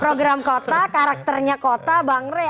program kota karakternya kota bang rey